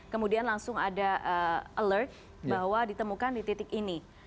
kemudian langsung ada alert bahwa ditemukan di titik ini